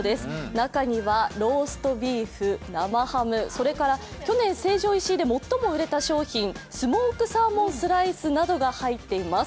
中にはローストビーフ、生ハム、それから去年、成城石井で最も売れた商品、スモークサーモンスライスなどが入っています。